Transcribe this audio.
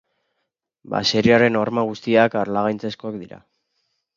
Baserriaren horma guztiak harlangaitzezkoak dira.